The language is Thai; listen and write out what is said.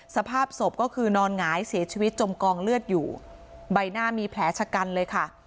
สภาพศพก็คือนอนหงายเสียชีวิตจมกองเลือดอยู่ใบหน้ามีแผลชะกันเลยค่ะ